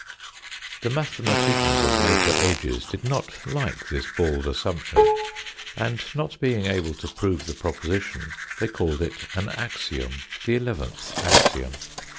The mathematicians of later ages did not like this bald assumption, and not being able to prove the proposition they called it an axiom the eleventh axiom.